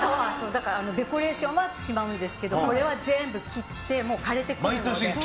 デコレーションはしまうんですけどこれは全部切って枯れてくるので。